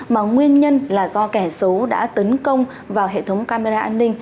mà nguyên nhân là do kẻ xấu đã tấn công vào hệ thống camera an ninh